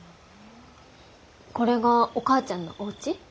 これがお母ちゃんのおうち？